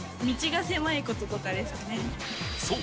そう！